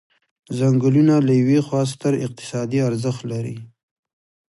څنګلونه له یوې خوا ستر اقتصادي ارزښت لري.